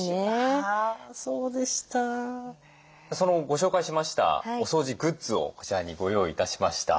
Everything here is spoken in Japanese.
ご紹介しましたお掃除グッズをこちらにご用意致しました。